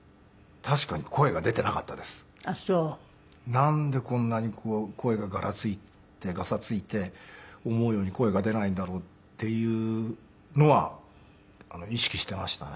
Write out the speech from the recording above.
なんでこんなに声がガラついてガサついて思うように声が出ないんだろうっていうのは意識していましたね。